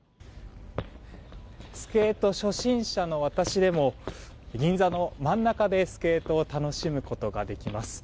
スケート初心者の私でも銀座の真ん中でスケートを楽しむことができます。